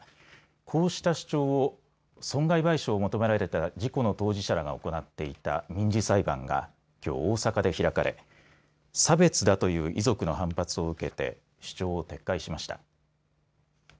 こうした主張を損害賠償を求められた事故の当事者が行っていた民事裁判がきょう大阪で開かれ差別だという遺族の反発を受けて主張を撤回しました。